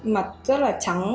mặt rất là trắng